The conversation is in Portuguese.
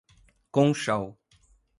Conchal